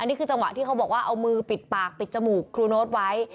นี่คือจังหวะที่เขาบอกว่าเอามือปิดปากปิดจมูกครูโน๊ตไว้